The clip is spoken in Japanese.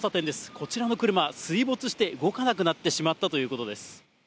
こちらの車、水没して、動かなくなってしまったということです。